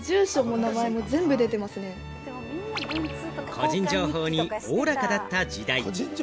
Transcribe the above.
個人情報におおらかだった時代。